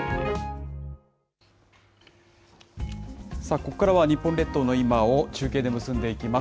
ここからは日本列島の今を中継で結んでいきます。